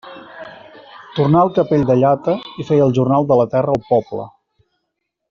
Tornà al capell de llata i feia el jornal de la terra al poble.